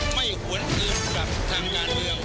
ไม่หวนอื่นกับทางงานเดียว